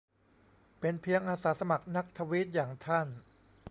เป็นเพียงอาสาสมัครนักทวีต อย่างท่าน